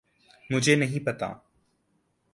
مجھے نہیں پتہ۔